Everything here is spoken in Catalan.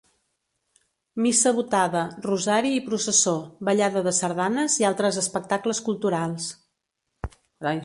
Missa votada, rosari i processó, ballada de sardanes i altres espectacles culturals.